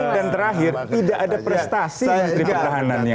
dan terakhir tidak ada prestasi di pertahanannya